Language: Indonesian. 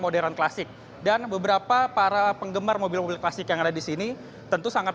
modern klasik dan beberapa para penggemar mobil mobil klasik yang ada di sini tentu sangat